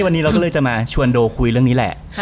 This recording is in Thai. วันนี้เราก็เลยจะมาชวนโดคุยเรื่องนี้แหละ